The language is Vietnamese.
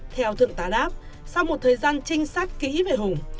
theo thượng tá đáp sau một thời gian trinh sát kỹ về hùng